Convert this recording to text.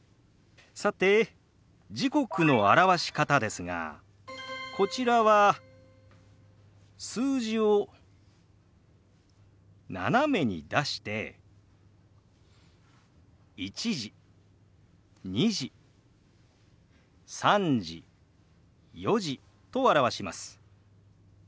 さて時刻の表し方ですがこちらは数字を斜めに出して「１時」「２時」「３時」「４時」と表します。